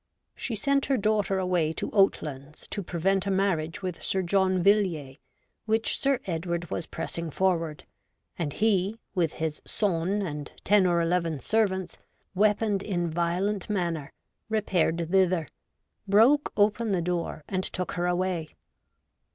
She sent her daughter away to Oatlands to prevent a marriage with Sir John Villiers, which Sir Edward was pressing forward ; and he, ' with his sonne and ten or eleven servants, weaponed in violent manner,' repaired thither, broke open the door, and took her away.